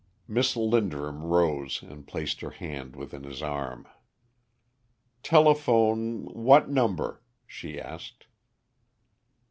Miss Linderham rose and placed her hand within his arm. "Telephone, what number?" she asked.